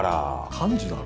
幹事だろ？